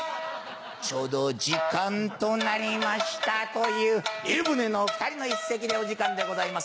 ちょうど時間となりましたという『湯船の二人』の一席でお時間でございます。